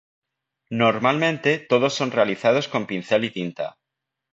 Normalmente todos son realizados con pincel y tinta.